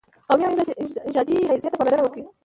قومي او نژادي حیثیت ته پاملرنه وي.